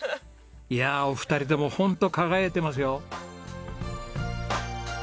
いやお二人ともホント輝いてますよ。